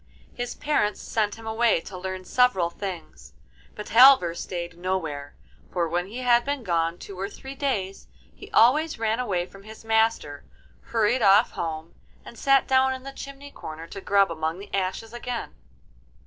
His parents sent him away to learn several things, but Halvor stayed nowhere, for when he had been gone two or three days he always ran away from his master, hurried off home, and sat down in the chimney corner to grub among the ashes again.